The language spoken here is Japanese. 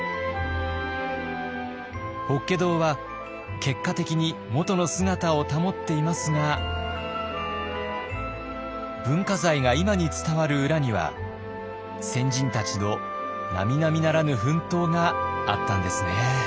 法華堂は結果的に元の姿を保っていますが文化財が今に伝わる裏には先人たちのなみなみならぬ奮闘があったんですね。